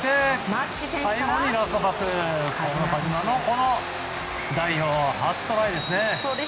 梶村は代表初トライですね。